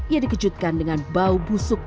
ia dikejutkan dengan bau busuk